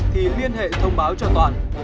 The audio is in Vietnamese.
thì liên hệ thông báo cho toàn